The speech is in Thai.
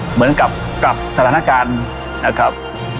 เหมือนกับกับสถานการณ์นะครับ